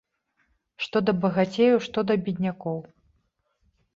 Што да багацеяў, што да беднякоў.